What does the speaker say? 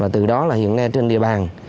từ đó chủ động phòng tránh